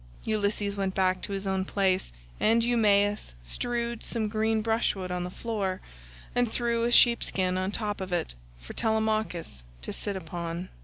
Ulysses went back to his own place, and Eumaeus strewed some green brushwood on the floor and threw a sheepskin on top of it for Telemachus to sit upon.